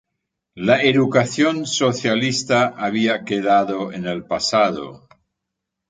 La educación socialista había quedado en el pasado.